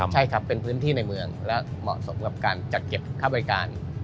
ใช่ครับเป็นพื้นที่ในเมืองและเหมาะสมกับการจัดเก็บค่าบริการ